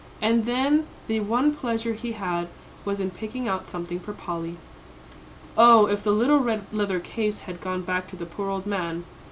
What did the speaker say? "And then the one pleasure he had was in picking out something for Polly." "Oh, if the little red leather case had gone back to the poor old man!"